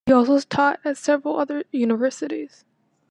He also taught at several other universities.